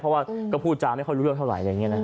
เพราะว่าก็พูดจาไม่ค่อยรู้เรื่องเท่าไหร่